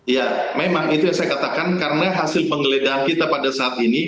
ya memang itu yang saya katakan karena hasil penggeledahan kita pada saat ini